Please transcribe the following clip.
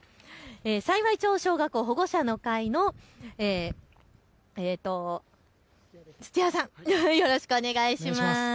幸町小学校保護者の会の土屋さん、よろしくお願いします。